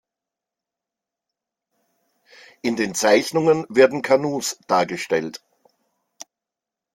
In den Zeichnungen werden Kanus dargestellt.